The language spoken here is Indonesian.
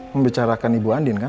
membicarakan ibu andin kan